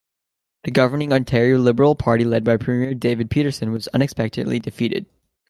The governing Ontario Liberal Party led by Premier David Peterson was unexpectedly defeated.